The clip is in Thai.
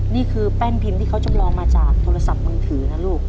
นี่คือแป้นพิมพ์ที่เขาจำลองมาจากโทรศัพท์มือถือนะลูก